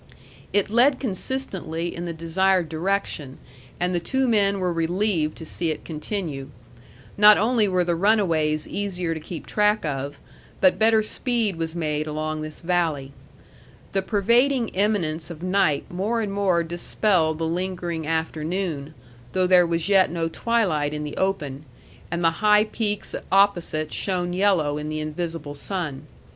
It led consistently in the desired direction, and the two men were relieved to see it continue. Not only were the runaways easier to keep track of, but better speed was made along this valley. The pervading imminence of night more and more dispelled the lingering afternoon, though there was yet no twilight in the open, and the high peaks opposite shone yellow in the invisible sun.